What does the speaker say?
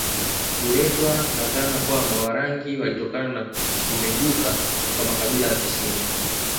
Huletwa na dhana kwamba Warangi walitokana na kumeguka kwa makabila ya kusini